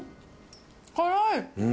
辛い！